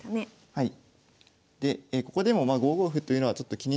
はい。